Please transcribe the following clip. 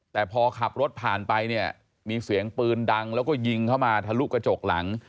แต่พอขับรถผ่านไปเนี่ยมีเสียงปืนดังแล้วก็ยิงเข้ามาทะลุกระจกหลัง